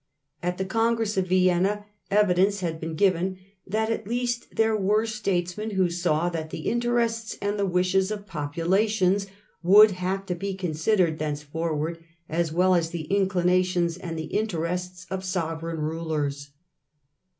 At the Congress of Vienna evidence had been given that at least there were statesmen who saw that the interests and the wishes of populations would have to be considered thenceforward, as well as the inclinations and the interests of sovereign rulers.